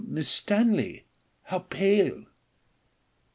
Miss Stanley how pale!